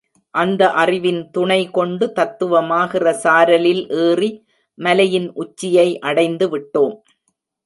அந்த அறிவின் துணை கொண்டு தத்துவமாகிற சாரலில் ஏறி மலையின் உச்சியை அடைந்து விட்டோம்.